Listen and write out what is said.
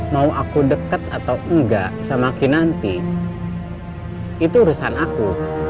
mau aku dekat atau enggak sama kinanti itu urusan aku